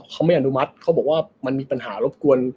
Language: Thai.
เขาไม่อนุมัติเขาบอกว่ามันมีปัญหารบกวน